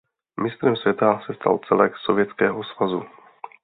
Mistrem světa se stal celek Sovětského svazu.